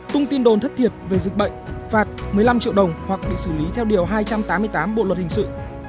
một tung tin đồn thất thiệt về dịch bệnh phạt một mươi năm triệu đồng hoặc bị xử lý theo điều hai trăm tám mươi tám bộ luật hình sự